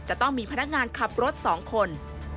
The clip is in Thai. เป็นพนักงานขับรถ๒คน